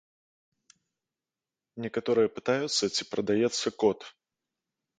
Некаторыя пытаюцца, ці прадаецца кот.